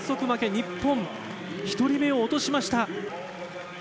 日本、１人目を落としました。